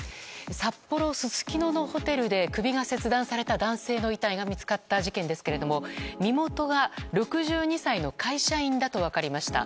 札幌すすきののホテルで首が切断された男性の遺体が見つかった事件ですけれども身元が６２歳の会社員だと分かりました。